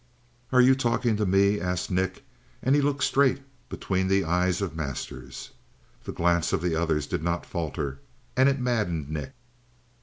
"Are you talking to me?" asked Nick, and he looked straight between the eyes of Masters. The glance of the other did not falter, and it maddened Nick.